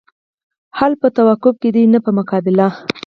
حل په توافق کې دی نه په مقابله.